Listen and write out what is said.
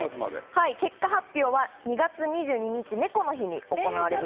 結果発表は２月２２日、ねこの日に行われます。